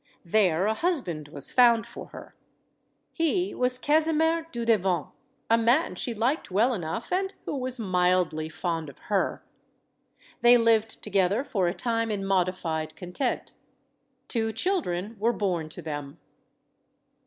There a husband was found for her. He was Casimer Dudevant, a man she liked well enough and who was mildly fond of her. They lived together for a time in modified content. Two children were born to them.